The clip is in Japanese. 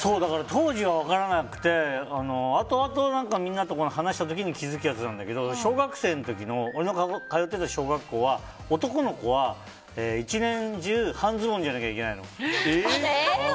当時は分からなくてあとあと、みんなと話した時に気づくやつなんだけど通ってた小学校は男の子は１年中半ズボンじゃなきゃいけないの。